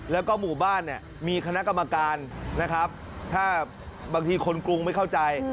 แล้วก็หมู่บ้านเนี่ยมีคณะกรรมการนะครับถ้าบางทีคนกรุงไม่เข้าใจ